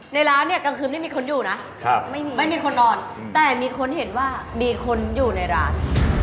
ในร้านเนี่ยกลางคืนไม่มีคนอยู่นะไม่มีคนนอนแต่มีคนเห็นว่ามีคนอยู่ในร้าน